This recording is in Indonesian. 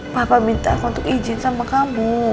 papa minta aku untuk izin sama kamu